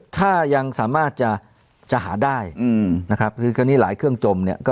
ถ้ายังสามารถจะจะหาได้นะครับคือตอนนี้หลายเครื่องจมเนี่ย